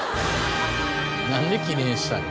なんで記念したの？